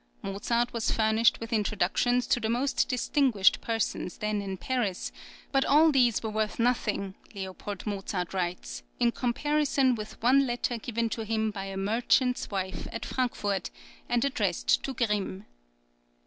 Mozart was furnished with introductions to the most distinguished persons then in Paris; but all these were worth nothing, L. Mozart writes, in comparison with one letter given to him by a merchant's wife at Frankfort, and addressed to Grimm.